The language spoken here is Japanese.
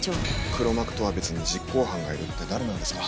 黒幕とは別に実行犯が居るって誰なんですか？